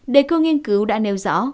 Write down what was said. đề cương nghiên cứu đã nêu rõ